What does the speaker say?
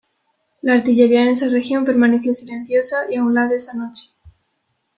La artillería en esa región permaneció silenciosa y a un lado esa noche.